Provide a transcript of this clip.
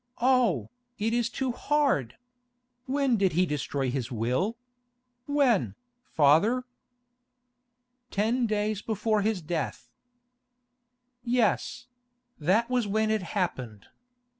Oh, it is too hard! When did he destroy his will? When, father?' 'Ten days before his death.' 'Yes; that was when it happened.